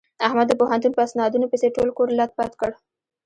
احمد د پوهنتون په اسنادونو پسې ټول کور لت پت کړ.